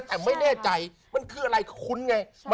แต่ไม่แน่ใจมันคืออะไรคุ้นไง